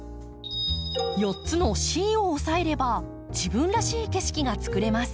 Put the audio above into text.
４つのＣを押さえれば自分らしい景色がつくれます。